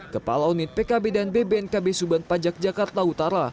kepala unit pkb dan bbnkb suban pajak jakarta utara